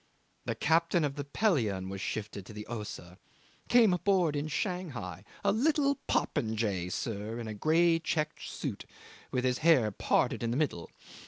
The captain of the Pelion was shifted into the Ossa came aboard in Shanghai a little popinjay, sir, in a grey check suit, with his hair parted in the middle.